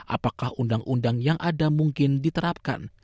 apakah undang undang yang ada mungkin diterapkan